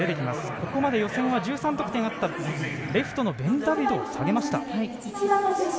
ここまで予選は１３得点あったレフトのベンダビドを下げました。